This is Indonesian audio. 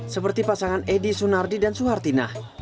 seperti pasangan edi sunardi dan suhartina